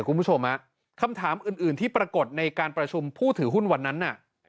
คุณผู้ชมคำถามอื่นที่ปรากฏในการประชุมผู้ถือหุ้นวันนั้นน่ะ